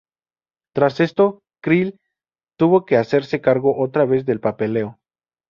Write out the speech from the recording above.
Tras esto, Creel tuvo que hacerse cargo otra vez del "papeleo".